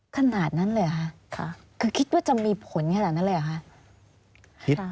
ขนาดนั้นเลยเหรอคะคือคิดว่าจะมีผลขนาดนั้นเลยเหรอคะ